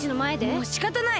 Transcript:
もうしかたない！